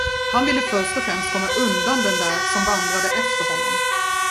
Han ville först och främst komma undan den där, som vandrade efter honom.